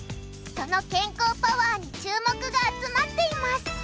その健康パワーに注目が集まっています。